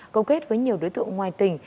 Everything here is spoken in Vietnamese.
cầu kết với nhiều đối tượng ngoài tỉnh